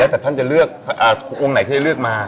แต่ท่านจะเลือกองค์ไหนที่จะเลือกมา